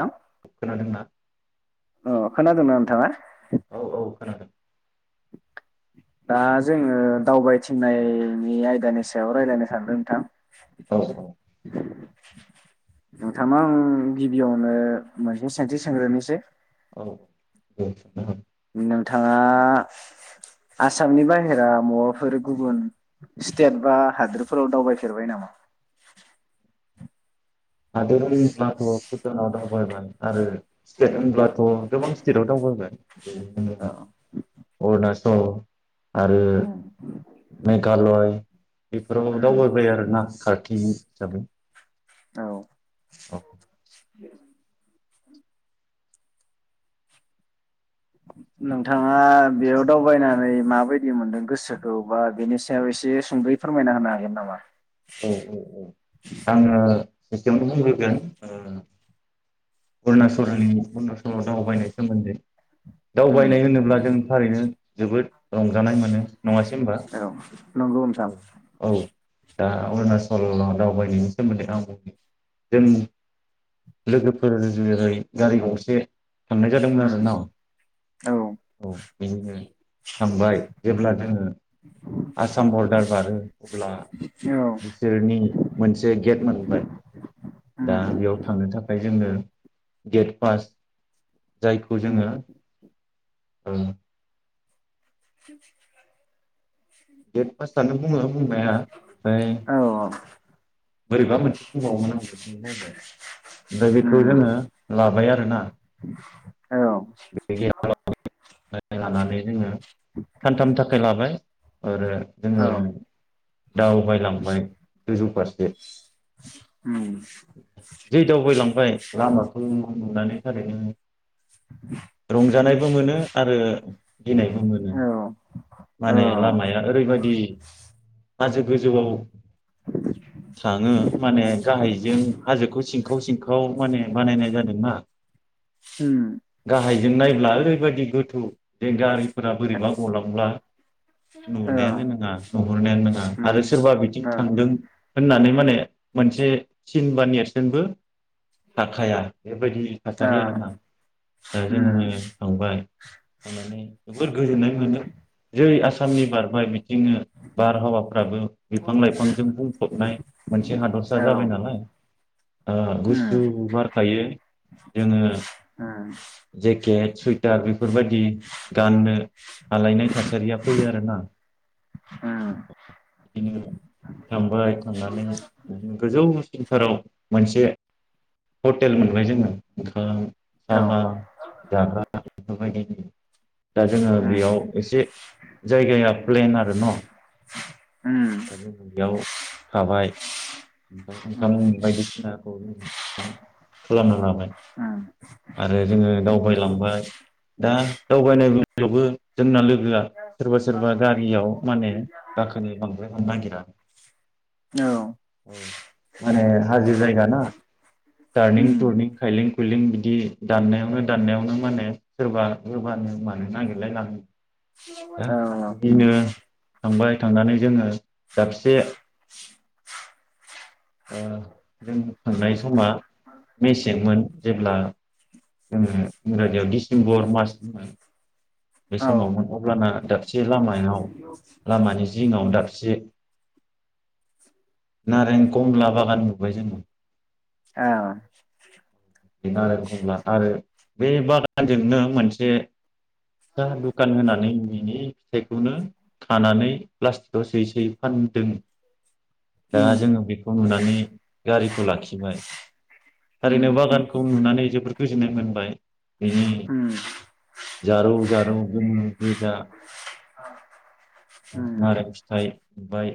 ह। खोनादों नना औ खोनादोंना नोंथाङा? औ औ खोनादों दा जोङो दावबायथिंनायनि आयदानि सायाव रायजलायनो सानदों नोंथां। औ औ। नोंथांा आं गिबियावनो मोनसे साइन्टिस सोंग्रोनोसै। औ। नोंथाङा आसामनि बाहेरा माबाफोर गुबुन स्टेट बा हादोरफोराव दावबायफेरबाय नामा? आद म भटानाव दगायबाय आरो स्टेट ब ाथ' गोबां स्टेट आआव दावबोगोन। औ [unintelligible] औ। आरो मेघालय बेफोराव दावबायफायो आरो ना कारत जाबै औ। [inaudible] नोंथाङा बेयाव दावबायनानै माबायदि मोनदों गोसोखौ बा बेनि सायाव एसे सुंद'यै फोरमायना होनो हागोन नामा? औ औ औ आङो एसेयावनो बुंग्रोगोन ओ अरुणाचलनि अरुणाचलाव दावबायनाय सोमोन्दै दावबायनाय होनोब्ला जों थारैनो जोबोद रंजानाय मोनो नङासै होनबा औ नंगौ नोंथां औ औ दा अरुणाचलाव दावबायनायनि सोमोन्दै आं बुंनि जों लोगो फोर [unintelligible] गारि गंसे थांनाय जादोंमोन आरो ना औ बिदिनो थांबाय जेब्ला जोङो आसाम बरदार बारो अब्ला औ बिसोरनि मोनसे गेट मोनबाय दा बेयाव थांनो थाखाय ओ गेट पास जायखौ जोङो उम [inaudible] [unintelligible] [unintelligible] गेट पास जानो बुङो। बुंनाया फ्राय [inaudible] बोरैबा मोनसे बुंबावोमोन आं बावबाय दा आमफ्राय बेखौ जोङो लाबाय आरोना। [unintelligible] लानानै जोङो सानथामनि थाखाय लाबाय। आरो जोङो दाव बायलांबाय गोजौ फारसे [inaudible] जै दावबायलांबाय लामाखौ नुनानै थारैनो रंजानायबो मोनो। आरो गिनायबो मोनो माने लामाया ओरैबायदि हाजो गोजौआव थाङो माने गाहायजों हाजोखौ सिंखाव सिंखाव माने बानायनाय जादोंना गाहायजों नायब्ला ओरैबायदि गो थौ बे गारि फोरा बोरैबा गलांब्ला नुनायानो नोङा नुहुरनायानो नोङा आरो सोरबा बिथिं थांदों होननानै माने मोनसे सिन बा नेरसोनबो थाखाया बेबायदि थासारि आरोना दा जोङो थांबाय। होननानै जोबोर गोजोननाय मोनो जै आसामनि बारबाय जोङो बारहावाफ्राबो बिफां लाइफांजों बुंफबनाय मोनसे हादरसा जाबाय नालाय ओ गुसु बारखायो जोङो जेकेट सुइटार बेफोरबायदि गाननो हालायनाय थासारिया फैयो आरोना बिदिनो थांबाय थांनानै गोजौसिनथाराव मोनसे हटेल मोनबाय जोङो ओंखाम साहा जाग्रा बायदि दा जोङो बेयाव एसे जायगाया प्लेन आरो न दा जोङो बेयाव थाबाय ओमफ्राय ओंखाम उम बायदिसिनाखौ खालामना लाबाय आरो जोङो दावबायलांबाय दा दावबायनाय बेलावबो जोंना लोगो सोरबा सोरबा गारियाव माने गाखोनो बांद्रायनो नागिरा माने हाजो जायगा ना टारनिं टुरनिं खायलें [unintelligible] बिदि दाननायावनो दाननायावनो माने सोरबा गोबानो मानो नागिरलायलाङो बिनो थांबाय थांनानै जोङो दाबसे ओ जों थांनाय समा मेसेंमोन जेब्ला जोङो इंराजियाव डिसेम्बर मासमोन। बै समाव मोनथब्लाना दाबसे लामायाव लामानि जिङाव दाबसे नारें कमला बागान नुबाय जोङो। औ। नारें खमला आरो बे बागानजोंनो मोनसे साहा दुखान होनानै बेनि फिथाइखौनो खानानै प्लास्टिकआव सोयै सोयै फानदों। दा जोङो बेखौ नुनानै गारिखौ लाखिबाय। थारैनो बागानखौ नुनानै जोबोर गोजोननाय मोनबाय। बेनि जारौ जा औ जोङो गोजा नारें फिथाइ ओमफाय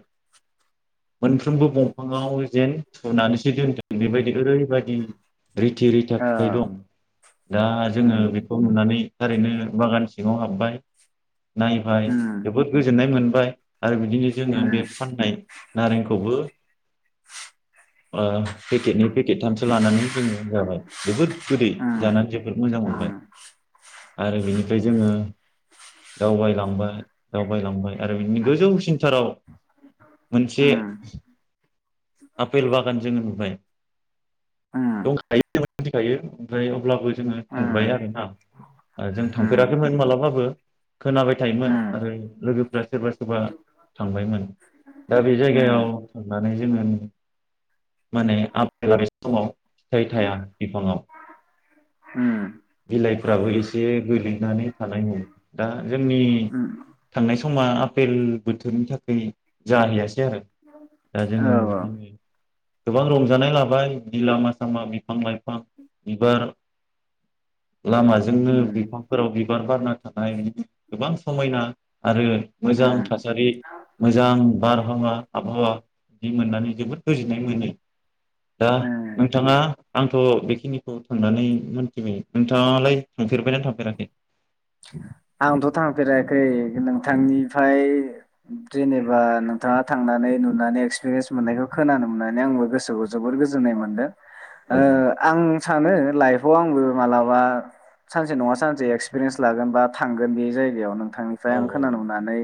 मोनफ्रोमबो बंफाङाव जेन थुनानै दोनदों बेबायदि ओरैबायदि इ रिथि रिथा फिथाइ दं दा जोङो बेखौ नुनानै थारैनो बागान सिङाव हाबबाय नायबाय जोबोद गोजोननाय मोनबाय। आरो बिदिनो जोङो बे फाननाय नारेंखौबो ओ पेकेटनै पेकेट लानानै जोङो जाबाय जोबोर गोदै जानानै जोबोद मोजां मोनबाय। आरो बिनिफ्राय जोङो दावबायलांबाय दावबायलांबाय आरो बि गोजौसिनथाराव मोनसे आफेल बागान जोङो नुबाय। उम दंखायो जों मिथिखायो ओमफ्राय अब्लाबो जोङो थांबाय आरोना जों उम थांफेराखैमोन मालाबाबो खोनाबाय थायोमोन उम आरो लोगोफ्रा सोरबा सोरबा थांबायमोन दा बे जायगायाव उम थांनानै जोङो [unintelligible] माने आफेला बे समाव फिथाय थाया बिफाङाव उम बिलाइफ्राबो एसे गोलैनानै थानाय मोन दा जोंनि उम थांनाय स समा आपेल बोथोरनि थाखाय जाहैयासै आरो दा औ जोङो औ बिदिनो गोबां रंजानाय लाबाय बि लामा सामा बिफां लाइफां बिबार लामाजोंनो उम बिफांफोराव बि बिबार बारनो थाखाय गोबां समायना आरो मोजां उम थासारि मोजां बार आबहावा आबहावा बिदि मोननानै जोबोद गोजोननाय मोनो दा उम नोंथाङा आंथ' बेखिनिखौ थांनानै मोनथिबाय नोंथाङालाय थांफेरबायना थांफेराखै? आंथ' थांफेराखै। औ नोंथांनिफाय जेनेबा नोंथाङा थांनानै नुनानै एक्सपिरियेन्स मोननायखौ खोनानो मोननानै आंबो गोसोखौ जोबोर गोजोननाय मोनदों। औ ओ आं सानो लाइफआव आंबो मालाबा सानसे नङा सानसे एक्सपिरियेस लागोन बा थांगोन बे जायगायाव नों ओमफाय औ आं खोनानो मोननानै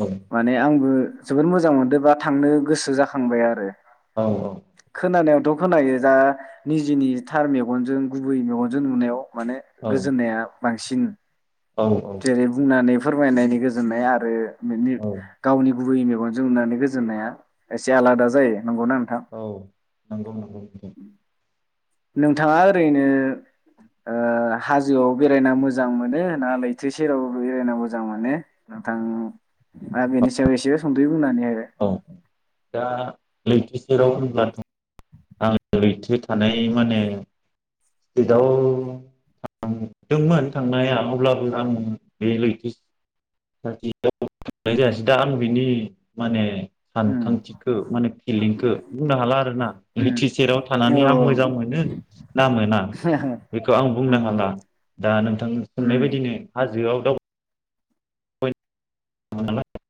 औ माने आंबो जोबोद मोजां मोनदों बा थांनो गोसो जाखांबाय आरो। औ औ खोनानायावथ' खोनायो दा निजिनि थार मेगनजों गुबै मेगनजों नुनायाव माने औ गोजोननाया बांसिन औ जेरै बुंनानैफोर फोरमायनायनि गोजोननाय आरो बिदि औ गावनि गुबै मेगनजों नुनानै गोजोननाया एसे आलादा जायो। नंगौना नोंथां औ नोंगौ नोंगौ ओम नोंथाङा ओरैनो ओ हाजोआव बेरायना मोजां मोनो ना लैथो सेराव बेरायना मोजां मोनो नोंथांआ बेनि सायाव एसे सुंदै औ दा लैथो सेराव [unintelligible] आं लैथो थानाय माने स्रिटआव थांदोंमोन थांनाया अब्लाबो आं बे लैथो [unintelligible] जायासै दा आं बिनि माने उम सानखांथिखौ माने फिलिंखौ बुंनो हाला आरोना उम लैथि सेराव औ थानानै आं औ मोजां मोनो ना मोना बेखौ आं बुंनो उम हाला दा नोंथां सोंनाय उम बादिनो हाजोआव [unintelligible] दावबायनो [unintelligible]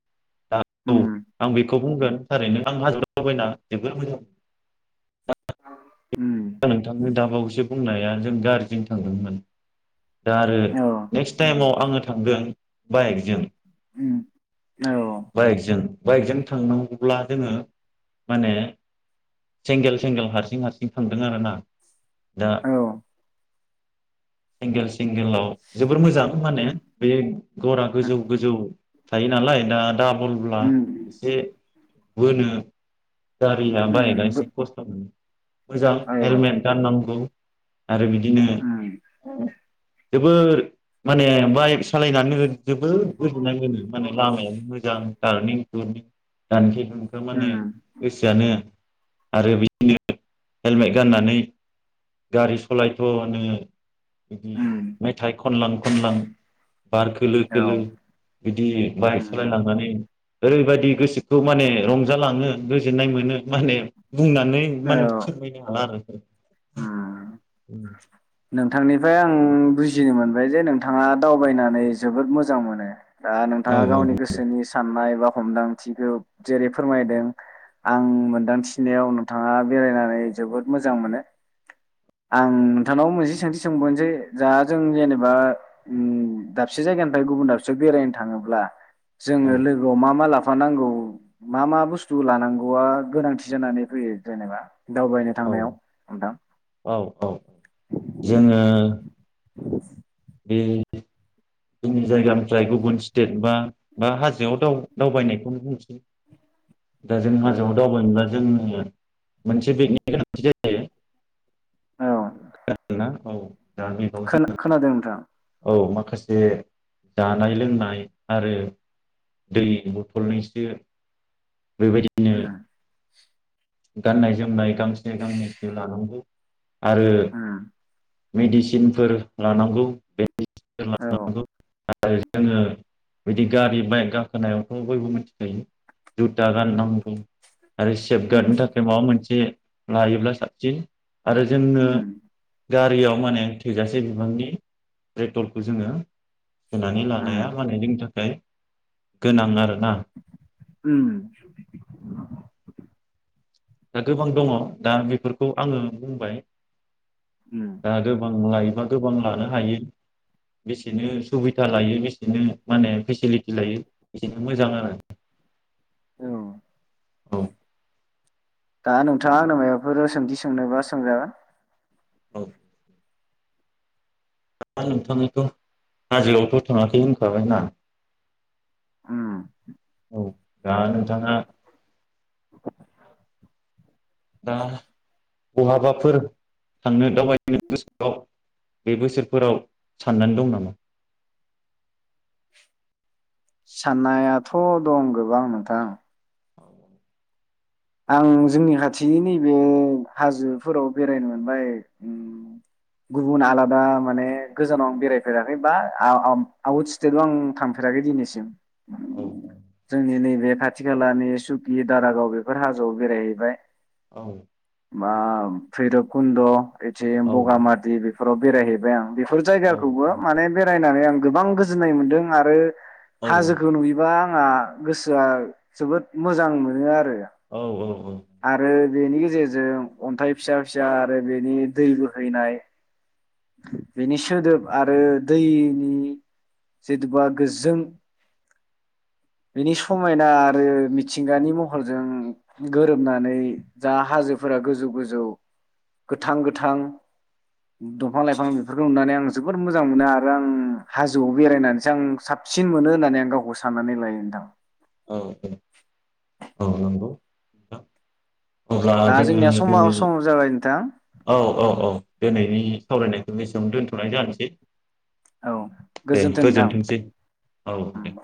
दा औ उम आं बेखौ बुंगोन थारैनो आं हाजोआव दावबायना जोबोर मोजां ओम द नोंथांनो दाबावैसो बुंनाया जों गारिजों थांदोंमोन। दा आरो औ नेक्स्ट टाइमाव आङो थांदों बाइकजों उम औ बाइकजों बाइकजों थांनांगौब्ला जोङो माने सेंगेल सेंगेल हारसिं हारसिं थांदों आरोना दा औ सिंगेल सिंगेलाव जोबोर मोजां माने बे घरा गोजौ गोजौ थायो नालाय दा दा बुलब्ला उम एसे बोनो गारिया बायकया औ एसे खस्थ' मोनो। मोजां हेलमेट गाननांगौ आरो बिदिनो उम जोबोद माने बाइक सालायनानैनो जोबोद उम गोजोननाय मोनो माने लामायाबो मोजां [unintelligible] एखदम माने गोसोआनो आरो बिदिनो हेलमेट गाननानै गारि सलायथ' नो बिदि मेथाइ खनलां खनलां बार खोलो औ खोलो बिदि बाइक उम सालायलांनानै ओरैबायदि गोसोखौ माने रंजालाङो गोजोननाय मोनो माने बुंनानै माने थाङा आरो। होम। उम। नोंथांनिफ्राय आं बुजिनो मोनबाय जे नोंथाङा दावबायनानै जोबोद मोजां मोनो। दा औ नोंथाङा गावनि औ गोसोनि साननाय बा हमदांथिखौ जेरै फोरमायदों आं मोनदांथिनायाव नोंथाङा बेरायनानै जोबोद मोजां मोनो। आं नोंथांनाव मोनसे सोंथि सोंबावनोसै जा जों जेनेबा उम दाबसे जायगानिफ्राय गुबुन दाबसेयाव बेरायनो थाङोब्ला जोङो लोगोआव मा मा लाफ फानांगौ मा मा बुस्थु लानांगौआ गोनांथि जानानै फैयो जेनेबा दावबायनो औ थांनायाव नोंथां? औ औ औ जोङो [inaudible] बे जोंनि जायगानिफ्राय गुबुन स्टेट बा बा हाजोआव दाव-दावबायनायखौनो बुंसै। दा जों हाजोआव दावबायनोबा जोंनो मोनसे बेगनि गोनांथि जायो। औ खोनादों‌ ना? औ दा बेगाव खोना-खोनादों नोंथां। औ माखासे जानाय लोंनाय आरो दै बथलनैसो बेबायदिनो उम गाननाय जोमनाय गांसे गांनैसो लानांगौ। आरो उम मेडिसिनफोर लानांगौ बे औ। आरो जोङो बिदि गारि बाइक गाखोनायावथ' बयबो मोनथिखायो जुथा गाननांगौ आरो उम गारनो थाखाय माबा मोनसे लायोब्ला साबसिन आरो जोंनो उम गारियाव माने थोजासे बिबांनि पेट्रलखौ जोङो सोनानै उम लानाया माने जोंनि थाखाय गोनां आरो उम दा गोबां दङ दा बेफोरखौ आङो बुंबाय उम दा गोबांलाय बा गोबां लानो हायो बेसेनो सुबिदा लायो बेसेनो माने फेसिलिटि लायो बेसेनो मोजां आरो औ औ दा नोंथाङा आंनाव मायोबाफोर सोंथि सोंनोबा सोंजागोन औ दा नोंथाङाथ' हाजोआवथ' थाङाखै होनखाबायना उम औ दा नोंथाङा दा बहाबाफोर थांनो दावबायनो गोसो दं बे बोसोरफोराव साननानै दं नामा साननायाथ' दं गोबां नोंथां औ औ आं जोंनि खाथिनि नैबे हाजोफोराव बेरायनो मोनबाय गुबुन आलादा माने गोजानाव आं बेरायफेराखै बा आउट स्टेटाव आं थांफेराखै दिनैसिम औ जोंनि नैबे खाथि खालानि सुकि दारागाव बे बेफोर हाजोआव बेरायहैबाय औ बा बैरुबकुनद' बेथिं औ बगामाति फोराव बेरायहैबाय आं बेफोर औ जायगाखौबो माने बेरायनानै आं गोबां गोजोननाय मोनदों आरो औ हाजोखौ नुयोबा आंहा गोसोआ जोबोद मोजां मोनो आरो औ औ औ आरो बेनि गेजेरजों अन्थाइ फिसा फिसा आरो बेनि दै बोहैनाय बेनि सोदोब आरो दैनि जेथुबा गोजों बेनि समायना आरो मिथिंगानि महरजों गोरोबनानै जा हाजोफोरा गोजौ गोजौ गोथां गोथां दंफां लाइफां बेफोरखौ नुनानै आं जोबोद मोजां मोनो आरो आं हाजोआव बेरायनानैसो आं साबसिन मोनो होननानै आं गावखौ साननानै लायो नोंथां औ औ औ नंगौ नोंथां अब्ला दा जोङो जोंनिया समा दिनै सम जाबाय नोंथां औ औ औ दिनैनि सावरायनाय बेसेयावनो दोनथ'नाय जानोसै औ दे गोजोन्थों नोंथां। गोजोनथोंसै औ दे